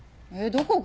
どこが？